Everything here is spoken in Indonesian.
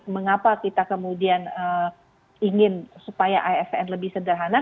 mengapa kita kemudian ingin supaya asn lebih sederhana